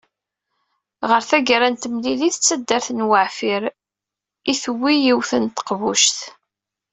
Ɣer taggara n temlilit, d tarbaɛt n Weɛfirtewwi i yewwin taqbuct.